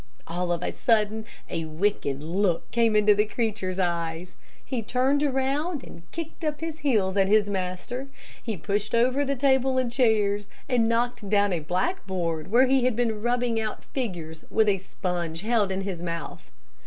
All of a sudden a wicked look came into the creature's eyes. He turned around, and kicked up his heels at his master, he pushed over the table and chairs, and knocked down a blackboard where he had been rubbing out figures with a sponge held in his mouth.